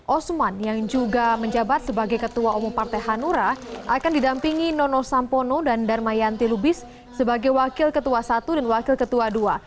usman yang juga menjabat sebagai ketua omong partai hanura akan didampingi nono sampono dan dharma yanti lubis sebagai wakil ketua i dan wakil ketua ii